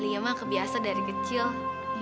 yaudah nggak apa apa om